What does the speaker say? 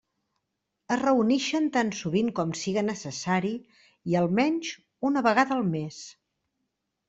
Es reunixen tan sovint com siga necessari i, almenys, una vegada al mes.